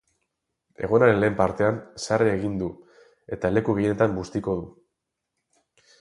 Egunaren lehen partean, sarri egingo du, eta leku gehienetan bustiko du.